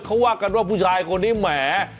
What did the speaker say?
เขาว่ากันว่าผู้ชายคนนี้แหม